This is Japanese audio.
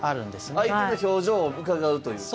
相手の表情をうかがうというか。